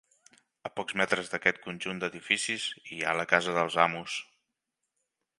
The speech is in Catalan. A pocs metres d'aquest conjunt d'edificis hi ha la casa dels amos.